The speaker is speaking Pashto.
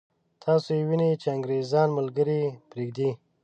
تاسو یې وینئ چې انګرېزان ملګري پرېږدي.